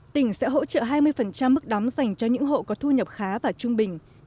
tỉnh sẽ hỗ trợ hai mươi mức đóng dành cho những hộ có thu nhập khá và trung bình